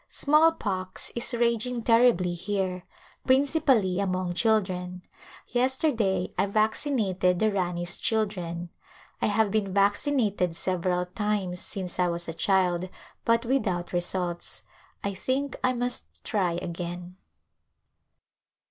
Smallpox is raging terribly here, principally among children. Yesterday I vaccinated the Rani's children. I have been vaccinated several times since I was a child but without results. I think I must try again.